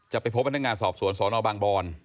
ไปพบพนักงานสอบสวนสนบางบอน